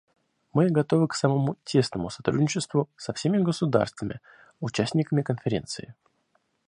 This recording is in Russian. Мы готовы к самому тесному сотрудничеству со всеми государствами − участниками Конференции.